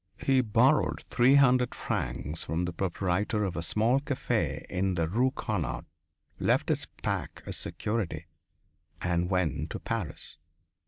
He borrowed three hundred francs from the proprietor of a small café in the Rue Carnot, left his pack as security, and went to Paris.